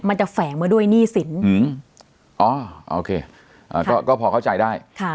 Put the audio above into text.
มันจะแฝงมาด้วยหนี้สินอ๋อโอเคอ่าก็ก็พอเข้าใจได้ค่ะ